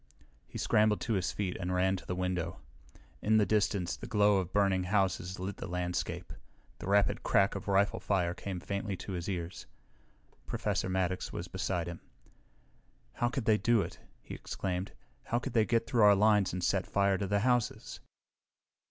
He scrambled to his feet and ran to the window. In the distance the glow of burning houses lit the landscape. The rapid crack of rifle fire came faintly to his ears. Professor Maddox was beside him. "How could they do it?" Ken exclaimed. "How could they get through our lines and set fire to the houses?"